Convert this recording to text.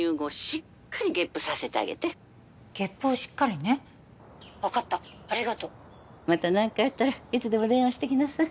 しっかりゲップさせてあげてゲップをしっかりね分かったありがとうまた何かあったらいつでも電話してきなさい